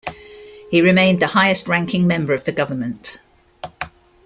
He remained the highest-ranking member of the government.